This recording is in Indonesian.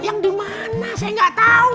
yang di mana saya gak tau